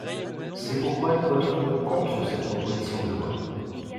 C’est pourquoi nous voterons contre cette proposition de loi.